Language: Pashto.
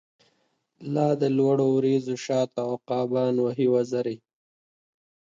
لادلوړو وریځو شاته، عقابان وهی وزری